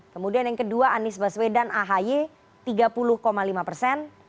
kemudian yang kedua anies baswedan ahy tiga puluh lima persen